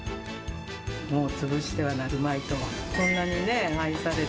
もう潰してはなるまいと。